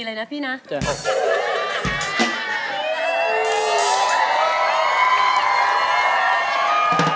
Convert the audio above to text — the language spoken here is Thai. ถ้าตอบถูกเป็นคนแรกขึ้นมาเลย